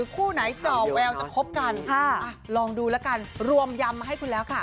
ก็คบกันฮะลองดูแล้วกันร้วมยำให้คุณแล้วค่ะ